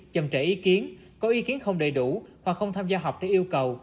chậm trễ ý kiến có ý kiến không đầy đủ hoặc không tham gia học theo yêu cầu